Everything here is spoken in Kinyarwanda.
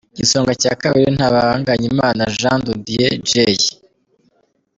Igisonga cya Kabiri: Ntabanganyimana Jeand de Dieu Jay.